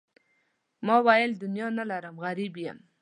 ما وویل دنیا نه لرم غریب یم.